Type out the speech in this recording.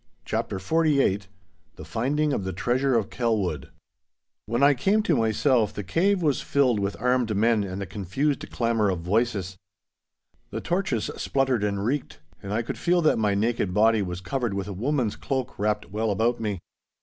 *CHAPTER XLVI1I* *THE FINDING OF THE TREASURE OF KELWOOD* When I came to myself the cave was filled with armed men and the confused clamour of voices. The torches spluttered and reeked, and I could feel that my naked body was covered with a woman's cloak wrapped well about me.